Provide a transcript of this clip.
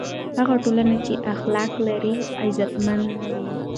هغه ټولنه چې اخلاق لري، عزتمنه وي.